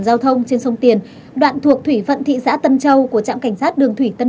giao thông trên sông tiền đoạn thuộc thủy phận thị xã tân châu của trạm cảnh sát đường thủy tân